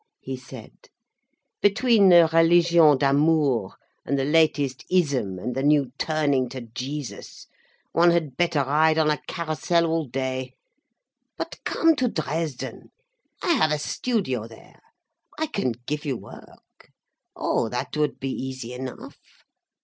he said. "Between the réligion d'amour, and the latest 'ism, and the new turning to Jesus, one had better ride on a carrousel all day. But come to Dresden. I have a studio there—I can give you work,—oh, that would be easy enough.